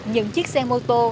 những chiếc xe mô tô